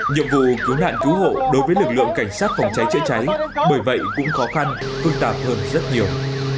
nhiệm vụ cứu nạn cứu hộ đối với lực lượng cảnh sát phòng cháy chữa cháy bởi vậy cũng khó khăn phức tạp hơn rất nhiều